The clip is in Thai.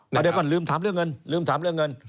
เดี๋ยวก่อนลืมถามเรื่องเงิน